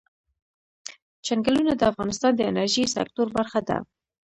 چنګلونه د افغانستان د انرژۍ سکتور برخه ده.